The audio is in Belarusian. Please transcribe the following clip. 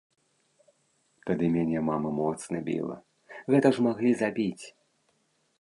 Тады мяне мама моцна біла, гэта ж маглі забіць.